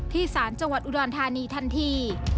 สารจังหวัดอุดรธานีทันที